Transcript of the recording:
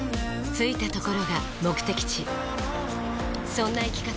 着いたところが目的地そんな生き方